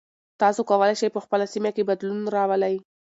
تاسو کولی شئ په خپله سیمه کې بدلون راولئ.